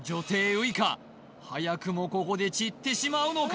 ウイカ早くもここで散ってしまうのか？